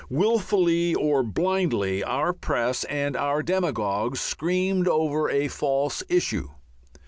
Wilfully or blindly our press and our demagogues screamed over a false issue.